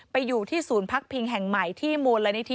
ไปอยู่ที่ภาคพิงแห่งใหม่ที่มูลละนิทิ